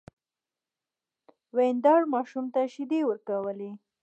ورېندار ماشوم ته شيدې ورکولې.